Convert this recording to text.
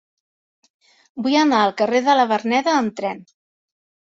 Vull anar al carrer de la Verneda amb tren.